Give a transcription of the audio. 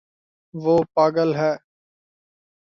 وہ پاگل ہے